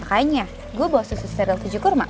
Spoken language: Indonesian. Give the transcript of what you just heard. pokoknya gue bawa susu steril tujuh kurma